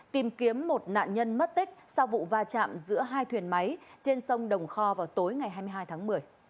tìm kiếm một nạn nhân mất tích sau vụ va chạm giữa hai thuyền máy trên sông đồng kho vào tối ngày hai mươi hai tháng một mươi